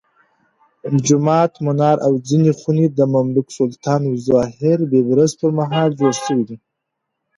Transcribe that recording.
جومات، منار او ځینې خونې د مملوک سلطان الظاهر بیبرس پرمهال جوړې شوې.